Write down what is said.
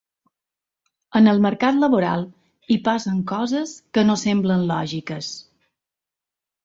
En el mercat laboral, hi passen coses que no semblen lògiques.